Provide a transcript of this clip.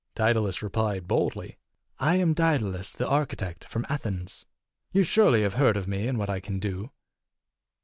Daedalus replied boldly, " I am Daedalus, the architect, from Athens. You surely have heard of me and what I can do."